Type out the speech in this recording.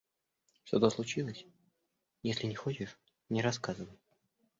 Что-то случилось? Если не хочешь, не рассказывай.